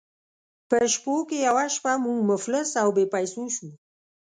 په شپو کې یوه شپه موږ مفلس او بې پیسو شوو.